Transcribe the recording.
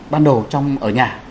ban đầu trong ở nhà